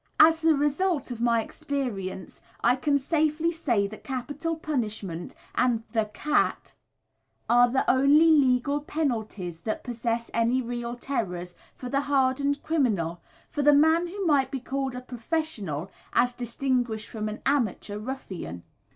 As the result of my experience I can safely say that capital punishment, and "the cat," are the only legal penalties that possess any real terrors for the hardened criminal, for the man who might be called a "professional" as distinguished from an "amateur" ruffian.